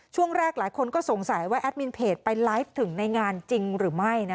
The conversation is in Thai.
ช่วงแรกหลายคนก็สงสัยว่าแอดมินเพจไปไลฟ์ถึงในงานจริงหรือไม่